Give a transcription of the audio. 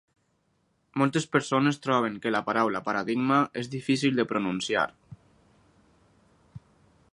Moltes persones troben que la paraula "paradigma" és difícil de pronunciar